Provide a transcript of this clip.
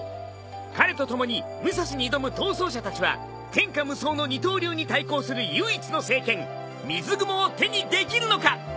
彼と共に武蔵に挑む逃走者たちは天下無双の二刀流に対抗する唯一の聖剣水雲を手にできるのか？